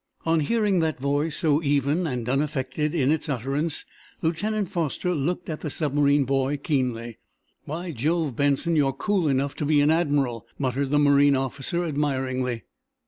On hearing that voice, so even and unaffected in its utterance, Lieutenant Foster looked at the submarine boy keenly. "By Jove, Benson, you're cool enough to be an admiral," muttered the marine officer, admiringly.